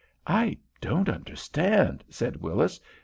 "I don't understand," said Willis.